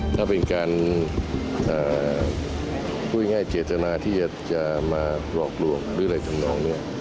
ถ้าเป็นการพูดง่ายเจตนาที่จะมาหลอกลวงหรืออะไรทำนองเนี่ย